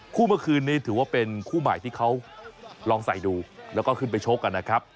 เมื่อคืนนี้ถือว่าเป็นคู่ใหม่ที่เขาลองใส่ดูแล้วก็ขึ้นไปชกกันนะครับ